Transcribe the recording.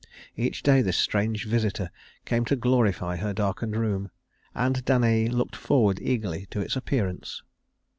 Each day this strange visitor came to glorify her darkened room, and Danaë looked forward eagerly to its appearance.